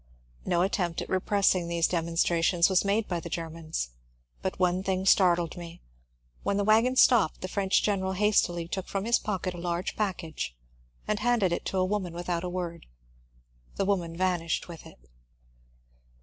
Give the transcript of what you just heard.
No attempt at repressing these de monstrations was made by the Germans, but one thing star tled me : when the wagon stopped the French general hastily took from his pocket a large package and handed it to a woman without a word. The woman vanished with it.